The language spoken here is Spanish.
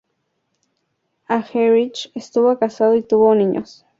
Argerich estuvo casado y tuvo niños.